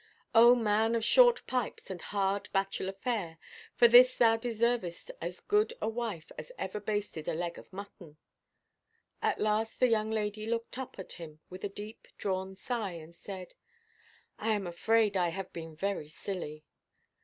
Oh, man of short pipes and hard, bachelor fare, for this thou deservest as good a wife as ever basted a leg of mutton! At last the young lady looked up at him with a deep–drawn sigh, and said— "I am afraid I have been very silly."